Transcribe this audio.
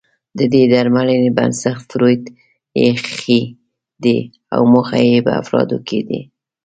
د دې درملنې بنسټ فرویډ اېښی دی او موخه يې په افرادو کې د